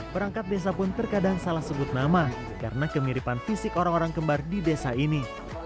perangkat desa pun terkadang salah sebut nama karena kemiripan fisik orang orang kembar di desa ini